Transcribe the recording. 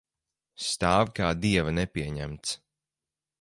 Stāv kā dieva nepieņemts.